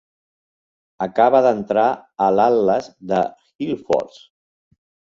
Acaba d"entrar a l" Atlas de Hillforts.